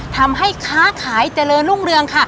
ทำให้ค้าขายเจริญรุ่งเรืองค่ะ